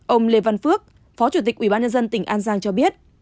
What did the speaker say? ông lê văn phước phó chủ tịch ubnd tỉnh an giang cho biết